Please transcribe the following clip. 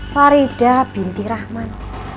farida binti rahman